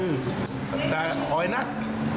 โหลายกาก